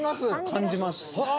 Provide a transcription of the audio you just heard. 感じます。